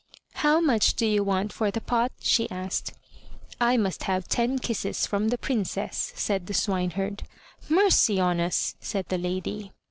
"How much do you want for the pot?" she asked. I must have ten kisses from the Princess," said the swineherd. "Mercy on us!" said the lady.